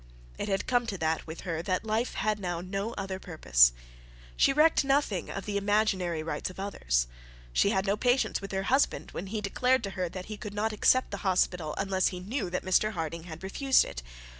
It had come to that with her that life had now no other purpose. She recked nothing of the imaginary rights of others. She had no patience with her husband when he declared to her that he could not accept the hospital unless he knew that Mr Harding had refused it.